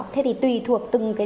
thế thì tùy thuộc từng lớp